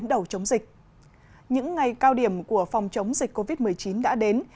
những ngày cao điểm của phòng chống dịch covid một mươi chín đã đến